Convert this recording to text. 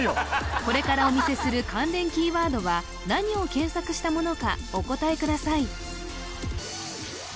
これからお見せする関連キーワードは何を検索したものかお答えください